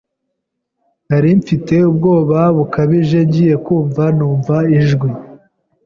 nari mfite ubwoba bukabije, ngiy kumva numva ijwi